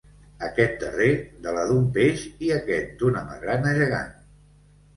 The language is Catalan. Aquest darrer, de la d'un peix i aquest d'una magrana gegant.